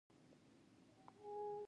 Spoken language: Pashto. افغانستان له ګاز ډک دی.